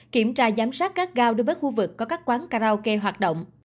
kiểm tra giám sát các gao đối với khu vực có các quán karaoke hoạt động